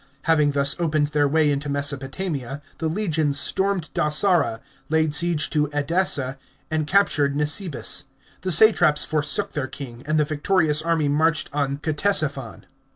Having thus opened their way into Mesopotamia, the legions stormed Dausara, laid siege to Kdessa, and captured Nisihis. The satraps forsook their king, and the victorious army marched on Ciesiphon.